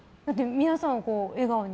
皆さんを笑顔に。